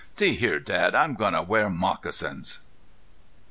See here, Dad, I'm gonna wear moccasins."